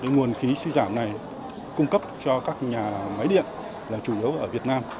nguồn khí suy giảm này cung cấp cho các nhà máy điện là chủ yếu ở việt nam